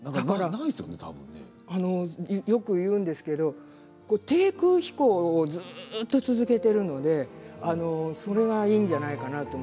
よく言うんですけど低空飛行をずーっと続けているのでそれがいいのではないかと。